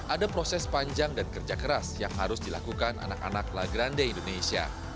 ada proses panjang dan kerja keras yang harus dilakukan anak anak la grande indonesia